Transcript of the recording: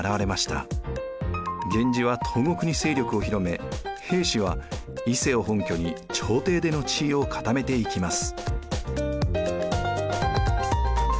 源氏は東国に勢力を広め平氏は伊勢を本拠に朝廷での地位を固めていきます。